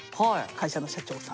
会社の社長さん。